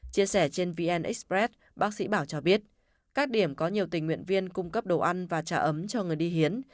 chia sẻ trên vn express bác sĩ bảo cho biết các điểm có nhiều tình nguyện viên cung cấp đồ ăn và trả ấm cho người đi hiến